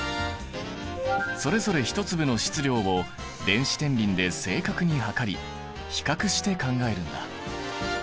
それぞれ１粒の質量を電子てんびんで正確に量り比較して考えるんだ。